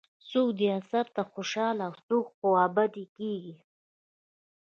څوک دې اثر ته خوشاله او څوک خوابدي کېږي.